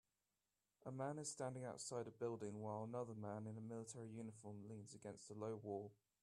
A man is standing outside a building while another man in a military uniform leans against a low wall